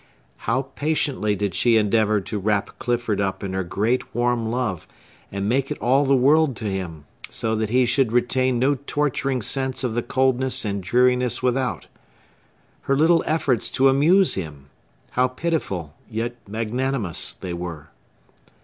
How patiently did she endeavor to wrap Clifford up in her great, warm love, and make it all the world to him, so that he should retain no torturing sense of the coldness and dreariness without! Her little efforts to amuse him! How pitiful, yet magnanimous, they were!